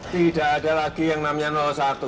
tidak ada lagi yang namanya satu